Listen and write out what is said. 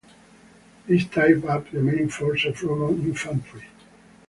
This tied up the main force of Roman infantry.